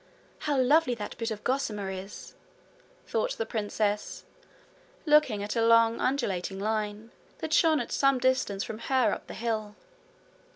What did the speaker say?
'How lovely that bit of gossamer is!' thought the princess, looking at a long undulating line that shone at some distance from her up the hill.